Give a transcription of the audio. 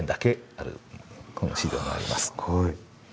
すごい。